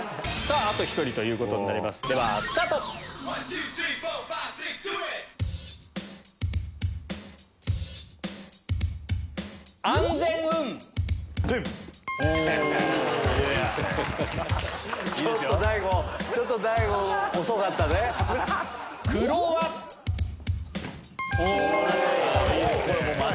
あと１人ということになります。イエァ！